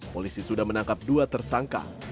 polisi sudah menangkap dua tersangka